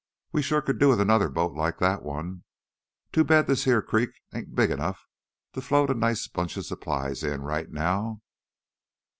"We shore could do with another boat like that one. Too bad this heah crick ain't big 'nough to float a nice bunch of supplies in, right now."